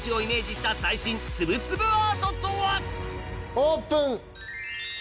オープン！